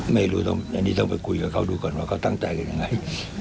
ไม่รู้อันนี้ต้องไปคุยกับเขาดูก่อนว่าเขาตั้งใจกันยังไง